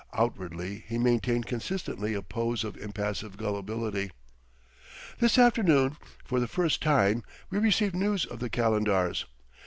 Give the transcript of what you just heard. Outwardly he maintained consistently a pose of impassive gullibility. "This afternoon, for the first time, we received news of the Calendars.